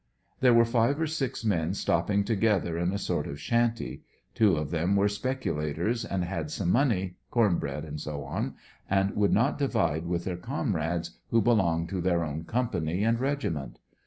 There were five or six men stopping together in a sort of shanty. Two of them were speculators, and had some money, corn bread, &c., and would not divide with their comrades, who belonged to their own company and regiment.